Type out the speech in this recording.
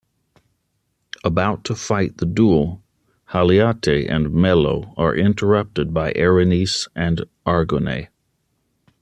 About to fight the duel, Haliate and Melo are interrupted by Erenice and Argone.